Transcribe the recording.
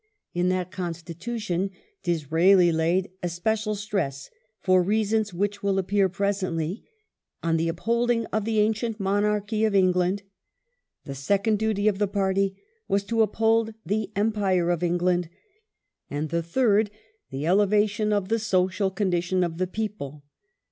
^ In that Constitution Disraeli laid especial stress, for reasons which will appear presently, on the upholding of the " ancient Monarchy of England ". The second duty of the party was to uphold " the Empire of England "; and the third the elevation of the social condition of the people.